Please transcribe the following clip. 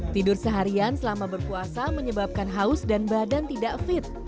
tidur seharian selama berpuasa menyebabkan haus dan badan tidak fit